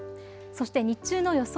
そして日中の予想